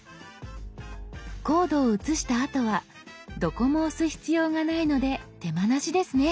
コードを写したあとはどこも押す必要がないので手間なしですね。